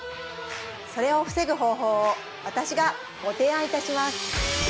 それを防ぐ方法を私がご提案いたします